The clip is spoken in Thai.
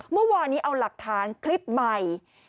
เมื่อวานนี้เอาหลักฐานคลิปใหม่